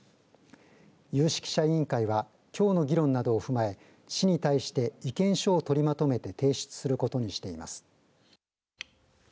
有識者委員会はきょうの議論などを踏まえ市に対して意見書を取りまとめて提出することにしています。